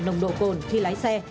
nồng độ cồn khi lái xe